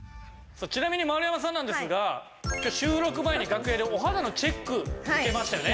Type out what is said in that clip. ちなみに丸山さんなんですが収録前に楽屋でお肌のチェック受けましたよね？